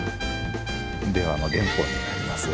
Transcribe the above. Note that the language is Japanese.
「令和」の原本になります。